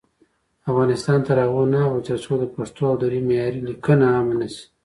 افغانستان تر هغو نه ابادیږي، ترڅو د پښتو او دري معیاري لیکنه عامه نشي.